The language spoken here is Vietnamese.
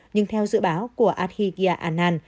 nhưng theo dự báo của abhigya anand